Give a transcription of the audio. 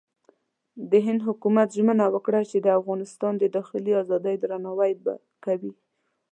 د هند حکومت ژمنه وکړه چې د افغانستان د داخلي ازادۍ درناوی به کوي.